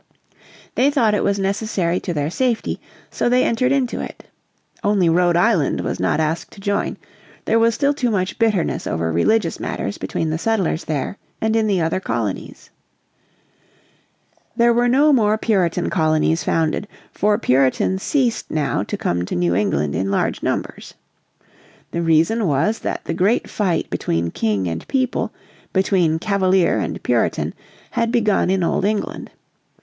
They thought it was necessary to their safety, so they entered into it. Only Rhode Island was not asked to join; there was still too much bitterness over religious matters between the settlers there and in the other colonies. There were no more Puritan colonies founded, for Puritans ceased now to come to New England in large numbers. The reason was that the great fight between King and People, between Cavalier and Puritan had begun in old England.